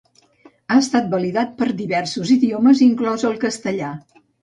Ha estat validat per a diversos idiomes, inclòs el castellà.